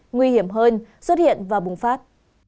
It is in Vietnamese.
nguy hiểm hơn xuất hiện và bùng phát